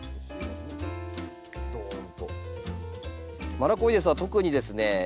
マラコイデスは特にですね